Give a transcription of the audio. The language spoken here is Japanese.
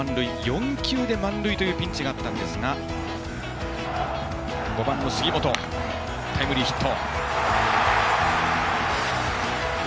４球で満塁というピンチだったんですが５番、杉本がタイムリーヒット。